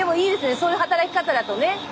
そういう働き方だとね